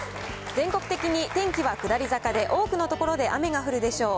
全国的に天気は下り坂で、多くの所で雨が降るでしょう。